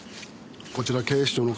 こちら警視庁の。